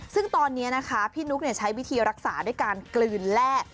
ซึ่งตอนนี้นะคะพี่นุ๊กใช้วิธีรักษาด้วยการกลืนแร่